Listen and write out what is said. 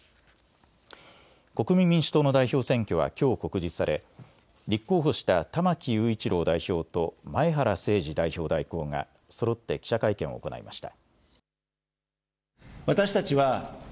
国民民主党の代表選挙はきょう告示され、立候補した玉木雄一郎代表と前原誠司代表代行がそろって記者会見を行いました。